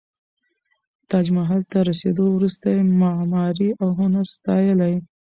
تاج محل ته رسېدو وروسته یې معماري او هنر ستایلی.